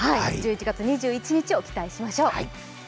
１１月２１日を期待しましょう。